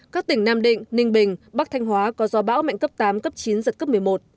các tỉnh nam định ninh bình bắc thanh hóa có gió bão mạnh cấp tám cấp chín giật cấp một mươi một